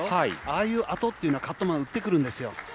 ああいうあとっていうのはカットマン、打ってくるんですよ。